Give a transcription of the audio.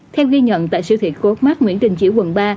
theo ghi nhận tại siêu thị coremark nguyễn đình chỉu quận ba